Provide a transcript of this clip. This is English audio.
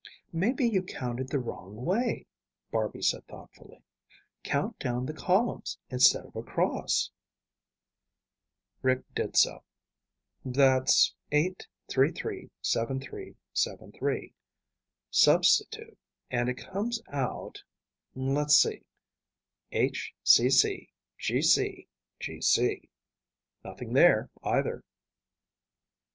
"Maybe you counted the wrong way," Barby said thoughtfully. "Count down the columns instead of across." Rick did so. "That's 8337373. Substitute and it comes out ... let's see ... HCCGCGC. Nothing there, either."